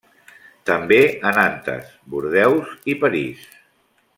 També a Nantes, Bordeus i París.